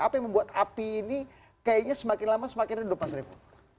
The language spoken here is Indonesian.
apa yang membuat api ini kayaknya semakin lama semakin redup mas revo